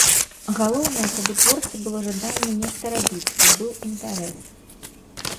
Галоўнае, каб у творцы было жаданне нешта рабіць, каб быў інтарэс.